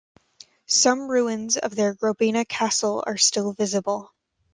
Some ruins of their Grobina castle are still visible.